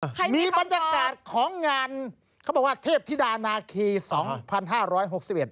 ใครมีบรรยากาศของงานเขาบอกว่าเทพธิดานาคีสองพันห้าร้อยหกสิบเอ็ด